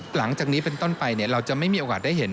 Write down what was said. หลังจากนี้เป็นต้นไปเราจะไม่มีโอกาสได้เห็น